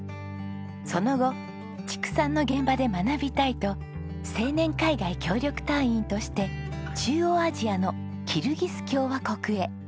その後畜産の現場で学びたいと青年海外協力隊員として中央アジアのキルギス共和国へ。